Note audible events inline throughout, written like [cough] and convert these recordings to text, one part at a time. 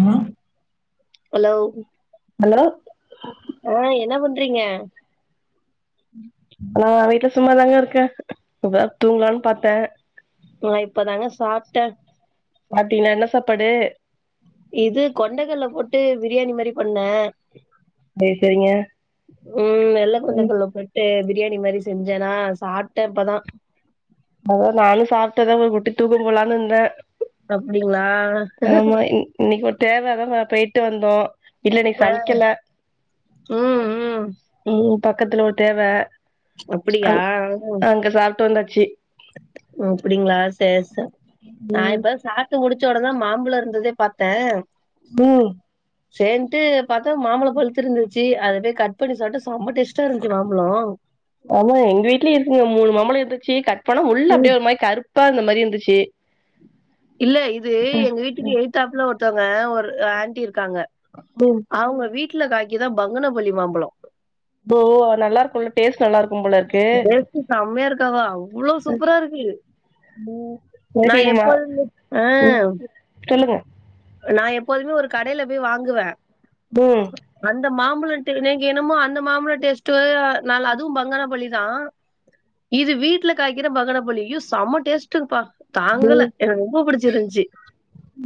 ம் hello hello ஆ என்ன பண்றீங்க நா வீட்ல சும்மாதாங்க இருக்க இப்பதா தூங்கலானு பாத்தே நா இப்பதாங்க சாப்ட்ட சாப்ட்டீங்களா என்ன சாப்பாடு இது கொண்டகடல போட்டு பிரியாணி மாரி பண்ணே சேரி சேரிங்க ம் வெள்ள கொண்டக்கடல போட்டு பிரியாணி மாரி செஞ்சேன்னா சாப்ட்டே இப்பதா அதா நானு சாப்ட்டதா ஒரு குட்டி தூக்கோ போலான்னு இருந்தே அப்டிங்களா இன்னைக்கி ஒரு தேவ அதா நா போயிட்டு வந்தோ இல்ல இன்னைக்கி ஆ சமைக்கல ம் ம் ம் பக்கத்துல ஒரு தேவ அப்டியா அங் அங்க சாப்பிட்டு வந்தாச்சு ஓ அப்டிங்களா சேர் சே நா இப்ப சாப்ப ட்டு முடிச்சோடனேதா மாம்புழ இருந்ததே பாத்தே ம் சேர்ன்ட்டு பாத்தா மாம்பழோ பழுத்துருந்துச்சு அத போய் கட் பண்ணி சாப்ட்டா சம்ம டேஸ்ட்டாருந்துச்சு மாம்பழோ ஆமா எங்க வீட்லயு இருக்குங்க மூணு மாம்பளோஇருந்துச்சு கட்போனா உள்ள ம் அப்டியே ஒரு மாரி கருப்பாருந்த மாரி இருந்துச்சு இல்ல இது ம் எங்க வீட்டுக்கு எய்தாப்ல ஒருத்தவுங்க ஒரு ஆண்டி இருக்காங்க ம் அவங்க வீட்ல காக்கிதா பங்கனபலி மாம்பழோ இது நல்லாருக்கு டேஸ்ட்டு நல்லாருக்கும் போலருக்கு டேஸ்ட் செம்மையா இருக்காவா அவ்ளோ சூப்பரா இருக்கு நா எப்போதுமே ஆ [unintelligible] சொல்லுங்க நா எப்போதுமே ஒரு கடையில போய் வாங்குவே ம் அந்த மாம்பழோ எனக்கு என்னமோ அந்த மாம்பழோ டேஸ்ட்டு வேற நா அதுவு பங்கல பள்ளி தா இது வீட்டுல காய்கிற பக்கன பள்ளி ஐயோ செம டேஸ்டப்பா ம் தாங்கல எனக்கு ரொம்ப புடிச்சிருந்துச்சு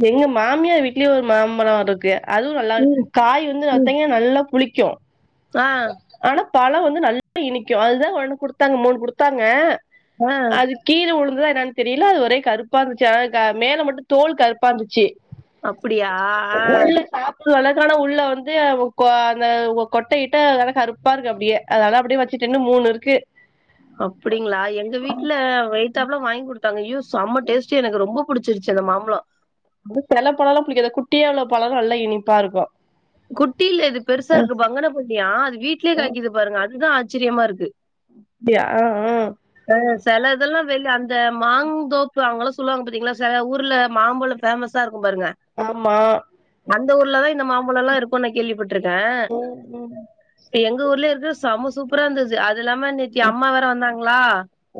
எங்க மாமியா வீட்லயு ஒரு மாமரோ இருக்கு அதுவு நல்லா ம் காய் வந்து் ம் பாத்தீங்க நல்லா புளிக்கு ஆ ஆனா பழோ வந்து நல்லா இனிக்கு அதுதா ஒண்ணு குடுத்தாங்க மூணு குடுத்தாங்க ஆ அது கீழே உழுந்ததா என்னன்னு தெரியல அது ஒரே கருப்பா இருந்துச்சு ஆனா மேல மட்டு தோல் கருப்பா இருந்துச்சு அப்டியா ஆ [inaudible] சாப் அழகான உள்ள வந்து அ கொ அந்த ஒ கொட்டையிட்டு அதெல்லா கருப்பாருக்கு அப்டியே அதனால்ல அப்டியே வச்சிட்ட இன்னு மூணுருக்கு அப்டிங்களா எங்க வீட்ல எய்த்தாப்புல்லா வாங்கி குடுத்தாங்க ஐயோ செம்ம டேஸ்டி எனக்கு ரொம்ப புடிச்சிருச்சு அந்த மாம்பழோ அதுக்கு வெள்ள பழலாம் புடிக்காது குட்டியா உள்ள பழோ நல்லா இனிப்பாருக்கு குட்டியில இது பெருசாருக்கு பங்கன பள்ளியா அது வீட்லேயே காய்க்கிது பாருங்க அதுதா ஆச்சரியமாருக்கு அப்டியா அ அ அ செல இதெல்லா வெளிய அந்த மாங்ந்தோப்பு அங்கெல்லா சொல்லுவாங்க பாத்தீங்களா செல ஊர்ல மாம்புழோ ஃபேமஸ் சா ருக்கும் பாருங்க ஆமா அந்த ஊர்லதா இந்த மாம்பழோல்லா இருக்கு நா கேள்விப்பட்டுருக்கே ம் ம் எங்க ஊர்லய இருக்கற சம சூப்பராருந்துச்சு அதுல்லாம நேத்தி அம்மா வேற வந்தாங்களா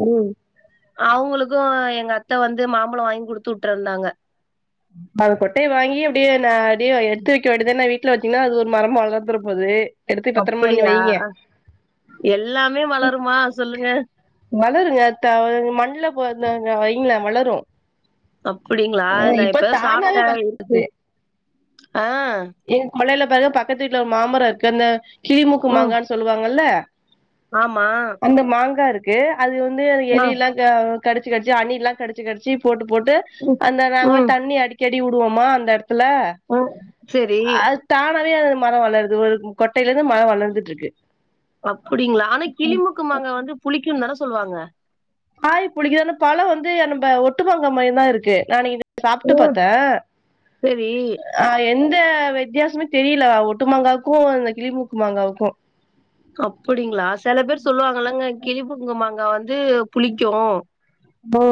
ம் அவுங்களுக்கு எங்க அத்த வந்து மாம்பழோ வாங்கி குடுத்து உட்டுருந்தாங்க அது‌ கொட்டைய வாங்கி அப்டியே நா அப்டியே எடுத்து வைக்க வேண்டியதுதா வீட்டு ட்ல பாத்தீங்கன்னா அது ஒரு மரமா வளர்ந்துற போது எடுத்து பத்திரமா பண்ணி அப்பிடியா வைங்க எல்லாமே வளருமா சொல்லுங்க வளரு லேட்டா மண்ல போந்த வையிங்களே வளரு அப்புடிங்ளா நா இப்ப தானாவே சாப்ட்டே வள இருக்கு ஆ எங் மலைல பாருங்க பக்கத்து வீட்ல ஒரு மாமரோ இருக்கு அந்த கிளிமூக்கு ம் மாங்கான் சொல்லுவாங்கல்ல ஆமா இந்த மாங்காருக்கு அது வந்து ஆ எலிலா கடுச்சு கடுச்சு அணில்லா கடுச்சு கடுச்சு போட்டு போட்டு ம் அந்த நாங்க ம் தண்ணி அடிக்கடி உடுவோமா அந்த எடத்துல ம் சேரி தானவே அது மரோ வளருது ஒரு கொட்டைலருந்து மரோ வளர்ந்துட்ருக்கு அப்புடிங்களா ஆனா கிளிமுக்குமாங்கா வந்து புளிக்குன்தான சொல்லுவாங்க காய் புளிக்கிது ஆனா பழோ வந்து நம்ம ஒட்டுமாங்கா மாரிதா இருக்கு நா இன்னிக்கு சாப்ட்டு ஓ பாத்தே சரி ஆ எந்த வித்தியாசமே தெரில ஒட்டுமாங்காவுக்கு அந்த கிளிமூக்கு மாங்காவுக்கு அப்புடிங்ளா சில பேர் சொல்லுவாங்கல்லங்க கிழிமூக்குமாங்கா வந்து புளிக்கு ஓ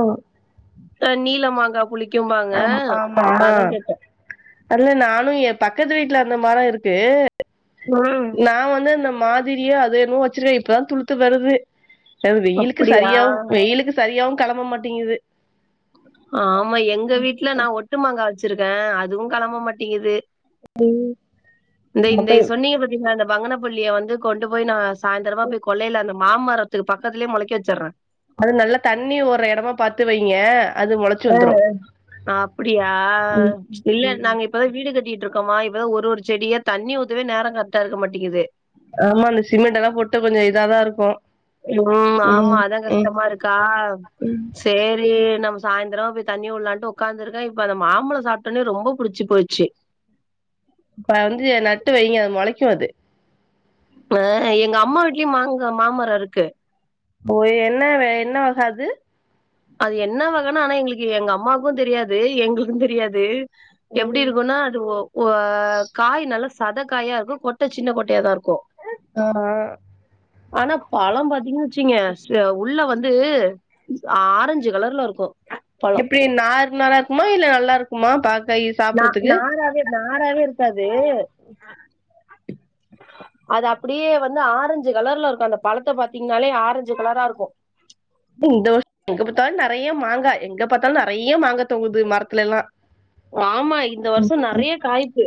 அ நீலமாங்கா புளிக் கும்பாங்க அத்தா கேட்டே அல்ல நானு எ பக்கத்து வீட்ல அந்த மரொ இருக்கு நா நா வந்து அந்த மாதிரியா அது இன்னு வெச்சிருக்கே இப்பதா துளுத்து வருது அது வெயிலுக்கு அப்படியா சரியாவு வெயிலுக்கு சரியாவு களம்ப மாட்டிங்குது ஆமா எங்க வீட்ல நா ஒட்டுமாங்கா வெச்சிருக்கே அதுவு களம்ப மாட்டிங்குது இந்த அப்ப இந்த சொன்னீங்க பத்தீங்ளா இந்த பங்கனபள்ளிய வந்து கொண்டு போய் நா சாய்ந்தரமா போய் கொள்ளைல அந்த மாமரத்துக்கு பக்கதுலயே மொளைக்க வெச்சறே அது நல்லா தண்ணி ஓட்ற எடமா பாத்து வைங்க அது மொளச்சு அ வந்துரும் அ அப்டியா ம் இல்ல ம் நாங்க இப் இப்பதா வீடு கட்டிட்ருக்கோமா இப்பதா ஒரு ஒரு செடியா தண்ணி ஊத்தவே நேரோ கரெக்ட்டா இருக்க மாட்டிக்கிது ஆமா அந்த சிமெண்டலா போட்டு கொஞ்சோ இதாதா இருக்கோ ம் ஆமா அதா கஷ்டமா இருக்கா ம் சேரி நம்ம சாய்ந்தரோ போய் தண்ணி உள்ளான்ட்டு உக்காந்துருக்க இப்ப அந்த மாம்பழோ சாப்ட்டோன ரொம்ப புடிச்சு போச்சு இப்ப வந்து நட்டு வைங்க முளைக்கு அது ஆ எங்க அம்மா வீட்லயு மாங்கா மாமரோ இருக்கு ஓ என்ன என்ன வக அது அது என்ன வகனா ஆனா எங்குளுக்கு எங்க அம்மாக்கு தெரியாது எங்குளுக்கு தெரியாது எப்டி ம் இருக்குனா அது ஒ வா காய் நல்லா சத காயா இருக்கு கொட்ட சின்ன கொட்டயாதா இருக்கு ஆ ஆனா பழோ பாத்தீங்கனா வெச்சீங்க உள்ள வந்து ஆரஞ்சு கலர்ல இருக்கோ எப்டி நார் நாரா இருக்குமா இல்ல நல்லாருக்குமா பாக்க இ நா நாராவே நாராவே இருக்காது அது அப்டியே வந்து ஆரஞ்சு கலர்ல இருக்கு அந்த பழத்த பாத்தீங்னாலே ஆரஞ்சு கலரா இருக்கு ம் இந்த வருஷோ எங்க பாத்தாலு நறைய மாங்கா எங்க பாத்தாலு நறைய மாங்கா தொங்குது மரத்துலலா ஆமா இந்த வருஷோ நறைய காய்ப்பு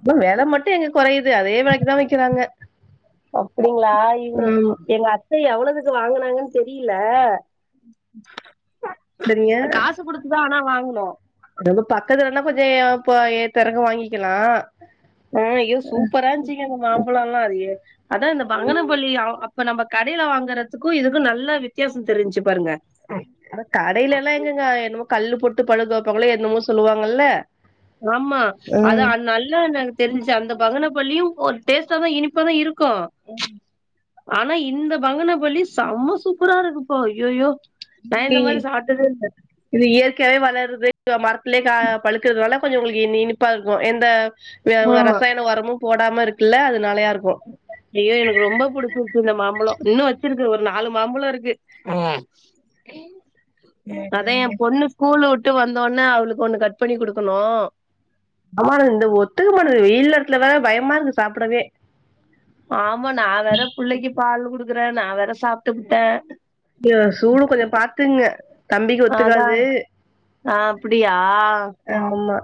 இப்ப வெல மட்டு எங்க குறையுது அதே வெலைக்குதா விக்குறாங்க அப்டிங்ளா இங்க எங்கத் த எவ்வளோக்கித வாங்குனாங்கன் தெரில சரிங்க காசு குடுத் இது ஆனா வாங்னோ ரொம்ப பக்கத்துலனா கொஞ்சோ போயி பிறகு வாங்கிக்கலா ஆ அய்யோ சூப்பரா இருந்ச்சுங்க அந்த மாம்பழோல்லா அது அதா அந்த பங்கனப்பள்ளி ஆ அ இப்ப நம்ம கடைல வாங்கறதுக்கு இதுக்கு நல்ல வித்தியாசோ தெரிஞ்சு பாருங்க அட கடைல எல்லா எங்கங்க என்னமோ கல்லு போட்டு பழுக்க வெப்பாங்கல்ல என்னமோ சொல்லுவாங்கல்ல ஆமா அதா ம் நல்லா எனக்கு தெரிஞ்ச்சு அந்த பங்கனபள்ளியு ஒரு டேஸ்ட்டாதா இனிப்பாதா இரு க்கு ஆனா இந்த பங்கன பள்ளி செம்ம சூப்பரா இருக்குப்பா அய்யய்யோ ஈ இந்த ம் மாரி சாப்ட்டதே இல்ல இது இயற்கையாவே வளர்றது மரத்திலயே கா பழுக்கறதுனால கொஞ்சோ உங்களுக்கு இனிப்பா இருக்கு எந்த ஆமா ரசாயன ஒரமு போடாம இருக்கல்ல அதுனாலயா இருக்கு அய்யோ எனக்கு ரொம்ப புடிச்சிருச்சு இந்த மாம்பழோ இன்னு வெச்சிருக்கு ஒரு நாலு மாம்பழோ இருக்கு ம் ம். அதா சரிங்க. என் பொண்ணு ஸ்கூல்ல வுட்டு வந்தொன்ன அவளுக்கு ஒண்ணு கட் பண்ணி குடுக்கணு [unintelligible] இந்த ஒத்துக்க மாடுக வெயில் நேரத்துல வேற பயமா இருக்கு சாப்பிடவே ஆமா நா வேற பிள்ளைக்கு பால் குடுக்குற நா வேற சாப்ட்டுபுட்ட யோ சூடு கொஞ்சோ பாத்துக்ங்க அதா ஆ அப்டியா ஆமா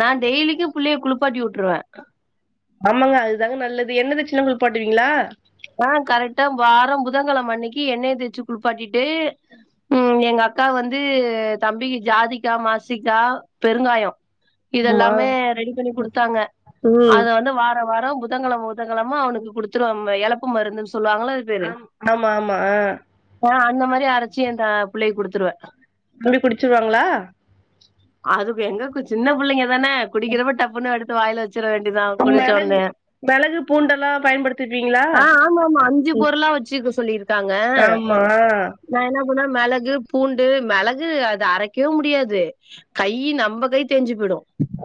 நா டெய்லிக்கு புள்ளய குளிப்பாட்டி விட்டுருவ ஆமாங்க அதுதாங்க நல்லது எண்ணெ தேச்செல்லா குளிப்பாட்டுவீங்ளா ஆ கரெக்டா வாரம் புதங்கிழம அன்னைக்கு எண்ணெய தேச்சு குளிப்பாட்டிட்டு ம் எங்க அக்காங்க வந்து தம்பிக்கு ஜாதிக்கா மாசிக்கா பெருங்காயோ ஆமா. இதெல்லாமே ரெடி பண்ணி குடுத்தாங்க ம். அது வந்து வார வாரோ புதங்கிழம புதன்கிழம அவனுக்கு குடுத்துருவாங்க எழப்ப மருந்துன்னு சொல்லுவாங்கல்ல ஆம் ஆமாமா அ போனா அந்த மாரி அரச்சு அந்த புள்ளைக்கு குடுத்துருவே தம்பி குடிச்சிருவாங்ளா அது எங்க சின்ன புள்ளைங்கதான குடிக்கறப்போ டப்புன் எடுத்து வாய்ல வெச்சிர வேண்டிதா குடிச்ச ஒன்ன மெளகு பூண்டெல்லா பயன்படுத்துப்பீங்ளா ஆ ஆமாமா அஞ்சு பொருளா வச்சுக்க ஆமா நா என்ன பண்ணுவேன் மெளகு பூண்டு மெளகு அத அரைக்கவே முடியாது கை நம்ம கை தெஞ்சு போய்டு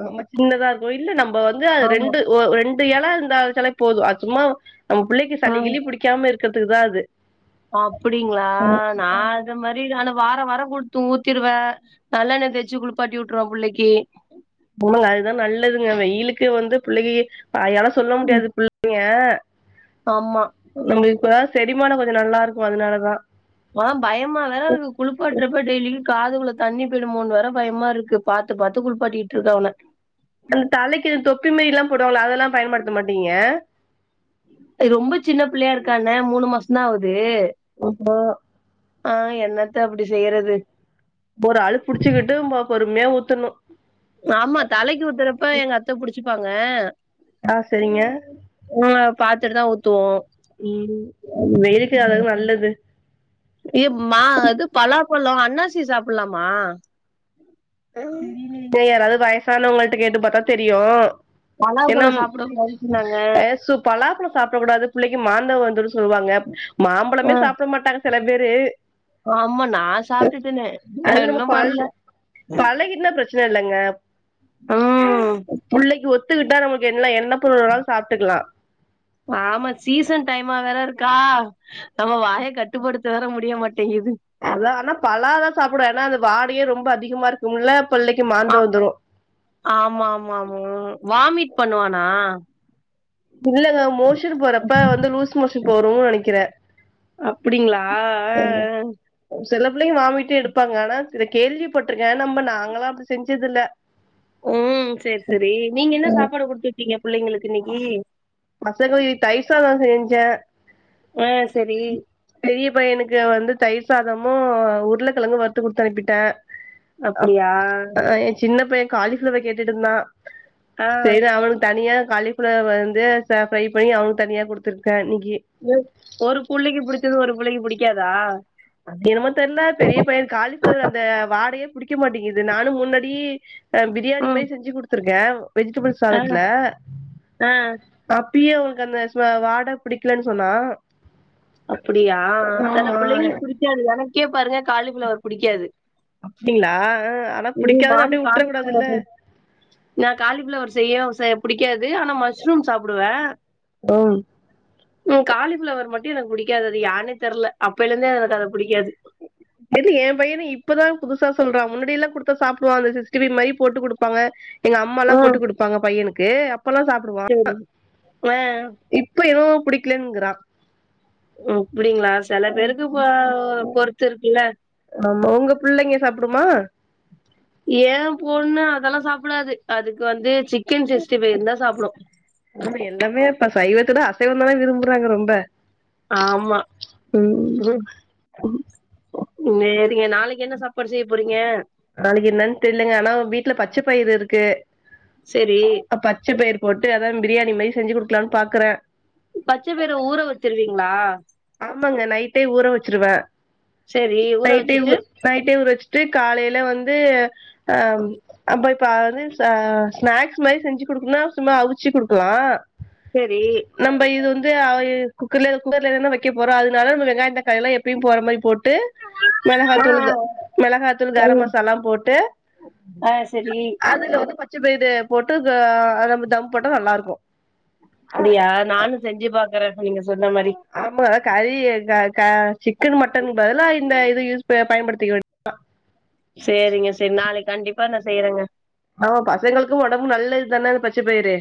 நம்ம சின்னதா இருக்கு இல்ல நம்ம வந்து அது ஆமா ரெண்டு ரெண்டு எல இருந்தாலே போது அது சும்மா நம்ம புள்ளைக்கு ஆ சளி கிழி புடிக்காம இருக்கறதுக்குதா அது ஆ அப்டிங்ளா நா அந்த மாரி நானு வார வாரோ குடுத்து ஊத்திருவேன் நல்லெண்ண தேச்சு குளிப்பாட்டி விட்டுருவ புள்ளைக்கு போங்க அதுதா நல்லதுங்க வெயிலுக்கு வந்து புள்ளை யாலு சொல்ல ம். முடியாது புள்ளைங்க ஆமா நம்ம இப்ப செரிமானோ கொஞ்சோ நல்லா இருக்கு அதுனாலதா ஆனா பயமா வேற இருக்கு குளிப்பாட்டுறப்ப டெய்லியு காதுகுள்ள தண்ணி போயிடுமோனு வேற பயமா இருக்கு பாத்து பாத்து குளிப்பாட்டிட்டு இருக்க அவன அந்த தலைக்கு தொப்பி மாரில்லா போடுவாங்கல்ல அதெல்லா பயன்படுத்த மாட்டீங்க எ ரொம்ப சின்ன புள்ளயா இருக்காங்க மூணு மாசந்தா ஆவுது உப்மா ஆ என்னத்த அப்படி செய்யறது ஒரு அழு புடிச்சுக்கிட்டு பொறுமைய ஊத்தணு ஆமா தலைக்கு ஊத்துறப்ப எங்க அத்த புடிச்சுப்பாங்க ஆ சரிங்க உங்கள பாத்துட்டு தா ஊத்துவோ ம் வெயிலுக்கு அதது நல்லது ஏ மா இது பலாப்பழோ அண்ணாசி சாப்புல்லாமா உ யாராவது வயசானவங்கல்ட்ட கேட்டு பாத்தா தெரியு பலாப்பழோ என்னம் சாப்டக்கூடாதுன்னு சொன்னாங்க ஏ சு பலாப்பழம் சாப்பிட கூடாது புள்ளைக்கு மாந்தம் வந்துரு சொ சொல்வாங்க ஆ மாம்பழமே சாப்ட மாட்டாங்க செல பேரு ஆமா நா சாப்ட்டுட்டனே என்னு பண்ல பழகிட்னா பிரச்சன இல்லங்க ம் புள்ளைக்கு ஒத்துகிட்டா நமக்கு என்ன என்ன பொருளுனாலு சாப்ட்டுக்லா ஆமா சீசன் டைமா வேற இருக்கா நம்ம வாய கட்டுப்படுத் சேர முடிய மாட்டேங்கிது அதா ஆனா பலா தா சாப்பிடுவ ஏன்னா அது வாடையை ரொம்ப அதிகமா இருக்கும்ல பிள்ளைக்கு ஆ மாந்த வந்துரு ஆமா ஆமா ஆமா வாமிட் பண்ணுவானா இல்லங்க மோஷன் போறப்ப வந்து லூஸ் மோஷன் போறோனு நெனைக்கிறே அப்டிங்களா அ அ செலப்புள்ளைங்க வாமிட்டு எடுப்பாங்க ஆனா இத கேள்விப்பட்டிருக்கே நம்ம நாங்கல்லா அப்டி செஞ்சது இல்ல ம் செரி செரி நீங்க என்ன சாப்பாடு குடுத்து விட்டீங்க புள்ளைங்களுக்கு இன்னைக்கு பசங்கோ தயிர் சாதோ செஞ்சே ஆ சரி பெரிய பையனுக்கு வந்து தயிர் சாதமு உருளகெழங்கு வறுத்து குடுத்து அனுப்பிட்டே அப் அப்டியா எ சின்ன பைய காளிஃபிளவர் கேட்டுட்டு இருந்தா ஆ சரி அவனுக்கு தனியா காளிஃபிளவர் வந்து ஃப்ரை பண்ணி அவங்க தனியா கொடுத்துருக்கே இன்னிக்கி ஒரு புள்ளைக்கு பிடிச்சது ஒரு பிள்ளைக்கு புடிக்காதா அது என்னமொ தெரல பெரிய பைய காலிஃப்ளவர் அந்த வாடையே பிடிக்க மாட்டேங்குது நானு முன்னாடி அ பிரியாணி ம் மாரி செஞ்சி குடுத்துருக்கே வெஜிடபிள் ஆ சாதத்துல ஆ அப்பயே உனக்கு அந்த வாட புடிக்கலன் சொன்னா அப்படியா சில ஆமா பிள்ளைங்கு புடிக்காது எனக்கே பாருங்க காளிஃபிளவர் புடிக்காது அப்டிங்களா ஆனா ம் புடிக்காதுன் நானு அப்டியே வுட்ற காலி கூடாதுல்ல நா காலிப்ஃபிளவர் செய்ய புடிக்காது ஆனா மஷ்ரூம் சாப்புடுவே ம் ம் காலிஃபிளவர் மட்டு எனக்கு புடிக்காது அது யானே தெரல அப்பிலந்தே எனக்கு அத புடிக்காது இது எ பையனு இப்பதா புதுசா சொல்றா முன்னாடில்லா கொடுத்த சாப்டுவா அந்த சிகிஸ்டி ஃபை மாரி போட்டு குடுப்பாங்க எங்க அம்ம எல்லா ம் போட்டு கொடுப்பாங்க பையனுக்கு அப்பெல்லா சாப் சரி ஆ இப்ப இவனோ புடிக்கலுங்கிறா அப்டிங்களா செல பேருக்கு போ பொறுத்து இருக்குல்ல ஆமா உங்க புள்ளைங்க சாப்புடுமா ஏ பொண்ணு அதெல்லா சாப்பிடாது அதுக்கு வந்து சிக்கன் சிக்ஸ்டி பைவ் இருந்தா சாப்பிடு ஆ எல்லாமே இப்ப சைவத்துட அசைவ தானே விரும்புறாங்க ரொம்ப ஆமா ம் நேரிங்க நாளைக்கு என்ன சாப்பாடு செய்ய போறீங்க நாளைக்கு என்னன்னு தெர்லங்க ஆனா வீட்டுல பச்சப்பயிரு இருக்கு சரி பச்ச பயிர் போட்டு அதா பிரியாணி மாரி செஞ்சு குடுக்கலானு பாக்குறே பச்ச பயிர ஊற வச்சருவீங்களா ஆமாங்க நைட்டே ஊற வச்சிருவே சரி ஊற நைட்டே ஊ வச்சுட்டு நைட்டே ஊரச்சிட்டு காலையில வந்து அ அப்ப இப்ப அதுஸ் ஸ்நாக்ஸ் மாரி செஞ்சு குடுக்குன்னா சும்மா அவிச்சு குடுக்கலா செரி நம்ப இது வந்து ஆயீ குக்கர்ல குக்கர்லன்னா வை போறோ அதனால வெங்காயோ தக்காளிளா எப்பயு போற மாரி போட்டு ஆ மிளகாத்தூள் ஆ மிளகாத்தூள் சரி கரமசாலா போட்டு ஆ செரி பச்ச பயிறு போட்டு ஆ நம்ம தம் போட்டா நல்லாருக்கு அப்டியா நானு செஞ்சு பாக்குறே நீங்க சொன்ன மாரி ஆமா கறி க க சிக்கன் மட்டன் பதில இந்த இது யூஸ் பயன்படுத்திக்க வே சேரிங்க செரி நாளைக்கு கண்டிப்பா நா செய்றேங்க ஆமா பசங்களுக்கு ஒடம்பு நல்லத்தான பச்ச பயிரு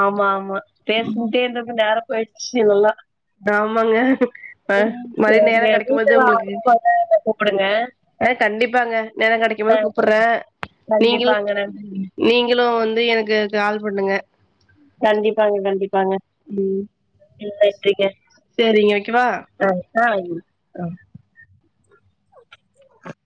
ஆமா ஆமா பேசிட்டே இருந்தது நேர போய்டுச்சு நல்லா ஆமாங்க அ ம் மறுபடி நேரோ சரிங்க கெடைக்கும்போது வீட்டெல்லா உங்களுக்கு [unintelligible] கூப்டுங்க ஆ கண்டிப்பாங்க நேரோ கெடைக்குபோது கூப்பறே கண்டிப்பாங்க நன்றிங்க நீங்களு வந்து எனக்கு கால் பண்ணுங்க கண்டிப்பாங்க கண்டிப்பாங்க ம் ம் நன்றிங்க சேரிங்க வெய்க்கவா ஆ ஆ